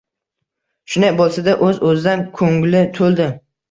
Shunday bo‘lsa-da, o‘z-o‘zidan ko‘ngli to‘ldi.